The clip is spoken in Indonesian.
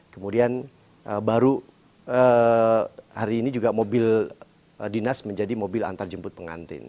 kemudian baru hari ini juga mobil dinas menjadi mobil antarjemput pengantin